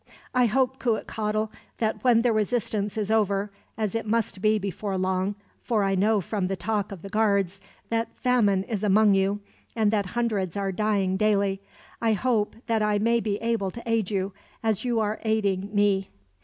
"I hope, Cuitcatl, that when the resistance is over as it must be before long, for I know from the talk of the guards that famine is among you, and that hundreds are dying daily I hope that I may be able to aid you, as you are aiding me."